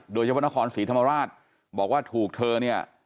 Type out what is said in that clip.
โดยเฉพาะนครศรีธรรมราชบอกว่าถูกเธอเนี่ย